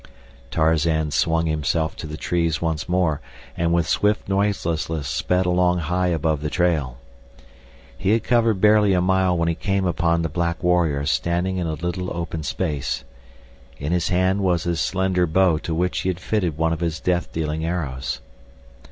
Tarzan swung himself to the trees once more, and with swift noiselessness sped along high above the trail. He had covered barely a mile when he came upon the black warrior standing in a little open space. In his hand was his slender bow to which he had fitted one of his death dealing arrows.